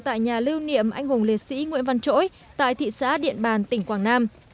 tại nhà lưu niệm anh hùng liệt sĩ nguyễn văn trỗi tại thị xã điện bàn tỉnh quảng nam